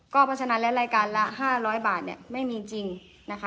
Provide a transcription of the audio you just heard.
เพราะฉะนั้นแล้วรายการละ๕๐๐บาทเนี่ยไม่มีจริงนะคะ